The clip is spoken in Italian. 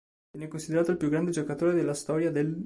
Viene considerato il più grande giocatore della storia dell'.